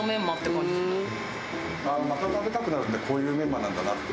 また食べたくなるってこういうメンマなんだなって。